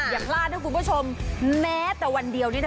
อย่าพลาดนะคุณผู้ชมแม้แต่วันเดียวนี่นะ